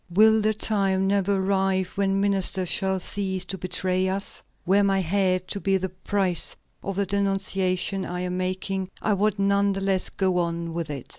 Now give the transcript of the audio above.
Will the time never arrive when ministers shall cease to betray us? Were my head to be the price of the denunciation I am making, I would none the less go on with it."